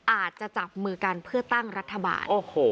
อาจจะจับมือกันเพื่อตั้งรัฐบาล